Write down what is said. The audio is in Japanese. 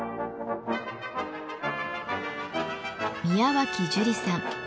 宮脇樹里さん。